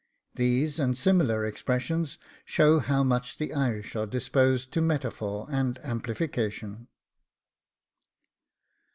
These, and similar expressions, show how much the Irish are disposed to metaphor and amplification.